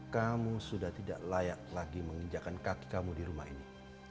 kamu sudah tidak layak lagi menginjakan kaki kamu di rumah ini